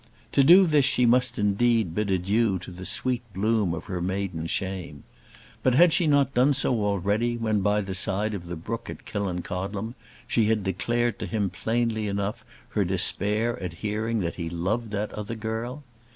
To do this she must indeed bid adieu to the sweet bloom of her maiden shame! But had she not done so already when, by the side of the brook at Killancodlem, she had declared to him plainly enough her despair at hearing that he loved that other girl?